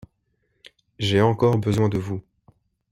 J'ai encore besoin de vous.